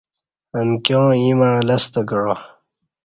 امکیاں ییں مع لستہ کعا